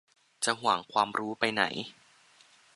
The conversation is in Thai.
จะหวงความรู้ไปไหน ?